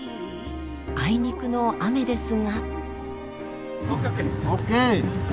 あいにくの雨ですが。